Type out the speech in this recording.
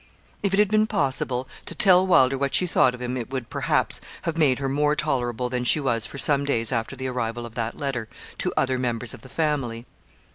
If it had been possible to tell Wylder what she thought of him it would, perhaps, have made her more tolerable than she was for some days after the arrival of that letter, to other members of the family.